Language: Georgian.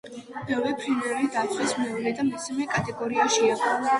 ბევრი ფრინველი დაცვის მეორე და მესამე კატეგორიაშია.